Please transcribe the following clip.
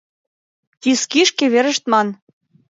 Тискишке верештман.